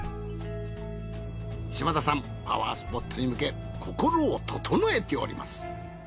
島田さんパワースポットに向け心を整えております。